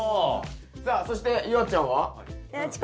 さあそして夕空ちゃんは？